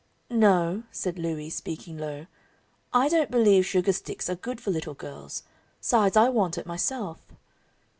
"No," said Louie, speaking low. "I don't believe sugar sticks are good for little girls. 'Sides, I want it myself."